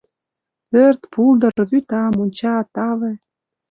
Пӧрт, пулдыр, вӱта, монча, таве.